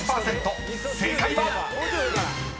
［正解は⁉］